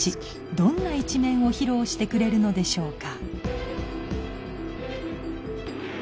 どんな一面を披露してくれるのでしょうか？